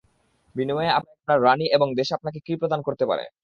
বিনিময়ে আপনার রানি এবং দেশ আপনাকে কী প্রতিদান দিতে পারে?